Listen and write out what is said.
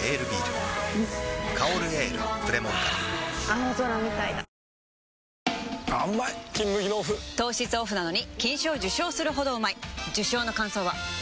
あーうまい「金麦」のオフ糖質オフなのに金賞受賞するほどうまい受賞の感想は？